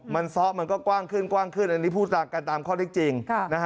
มันซ้อมันก็กว้างขึ้นกว้างขึ้นอันนี้พูดตามกันตามข้อได้จริง